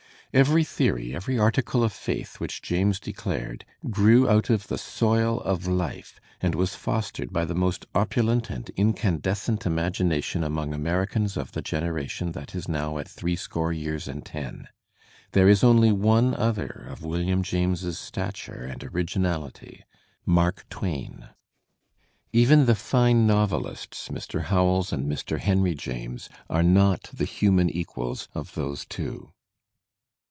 Every theory, every article of faith which James declared, grew out of the so3 of life and was fostered by the most opulent and incandescent imagination among Americans of the generation that is now at three score years and ten. There is only one other of William James's stature and ' originality — Mark Twain, Even the fine novelists, Mr. Digitized by Google 298 THE SPIRIT OF AMERICAN LITERATURE Howells and Mr. Heniy James, are not the human equals of those two.